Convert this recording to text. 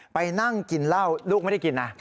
ไปนั่งกินเหล้าลูกไม่ได้กินนะ